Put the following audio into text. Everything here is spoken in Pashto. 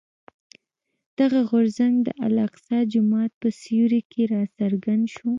دغه غورځنګ د الاقصی جومات په سیوري کې راڅرګند شو.